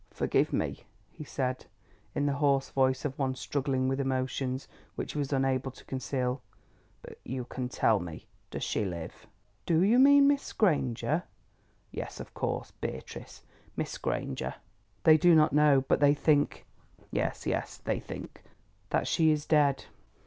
"Forgive me," he said in the hoarse voice of one struggling with emotions which he was unable to conceal, "but you can tell me. Does she still live?" "Do you mean Miss Granger?" she asked. "Yes, of course. Beatrice—Miss Granger?" "They do not know, but they think——" "Yes, yes—they think——" "That she is dead."